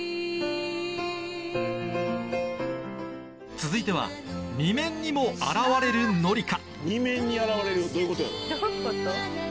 続いては２面にも現れる紀香